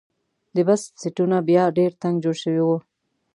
د بس سیټونه بیا ډېر تنګ جوړ شوي وو.